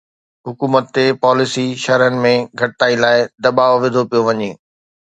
حڪومت تي پاليسي شرحن ۾ گهٽتائي لاءِ دٻاءُ وڌو پيو وڃي